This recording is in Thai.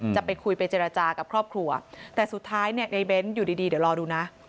จะไปคุยไปเจรจากับครอบครัวแต่สุดท้ายเนี่ยในเบ้นอยู่ดีเดี๋ยวรอดูนะ